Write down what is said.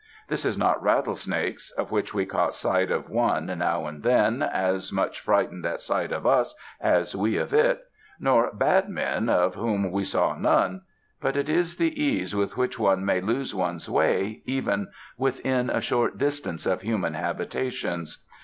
This is not rattlesnakes, of which we caught sight of one, now and then, as much frightened at sight of us as we of it; nor ''bad men," of whom we saw none; but it is the ease with which one may lose one's way even within a short distance of human habitations.